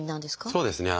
そうですね。